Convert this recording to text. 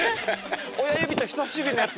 親指と人さし指のやつ！